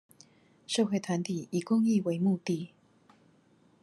社會團體以公益為目的